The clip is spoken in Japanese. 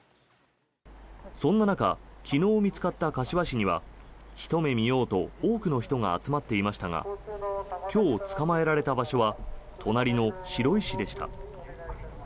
そんな中昨日見つかった柏市にはひと目見ようと多くの人が集まっていましたが今日、捕まえられた場所は隣の白井市でした。